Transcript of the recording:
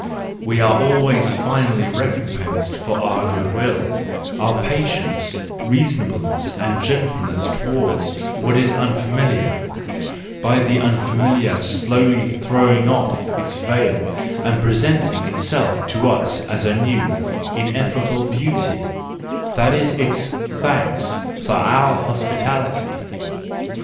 We are always finally recompensed for our good will, our patience, SANCTUS JANUARIUS 259 reasonableness and gentleness towards what is unfamiliar, by the unfamiliar slowly throwing off its veil and presenting itself to us as a new, ineffable beauty :—that is its thanks for our hospitality.